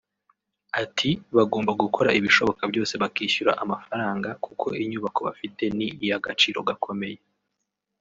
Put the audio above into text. Ati “Bagomba gukora ibishoboka byose bakishyura amafaranga kuko inyubako bafite ni iy’agaciro gakomeye